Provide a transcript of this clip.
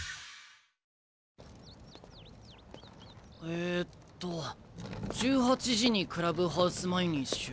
えっと１８時にクラブハウス前に集合。